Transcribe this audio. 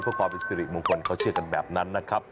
เพื่อความเป็นสิริมงคลเขาเชื่อกันแบบนั้นนะครับ